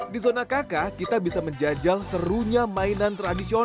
di zona kk kita bisa menjajal serunya mainan tradisional